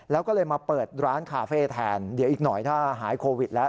แล้วก็เลยมาเปิดร้านคาเฟ่แทนเดี๋ยวอีกหน่อยถ้าหายโควิดแล้ว